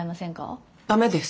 駄目です。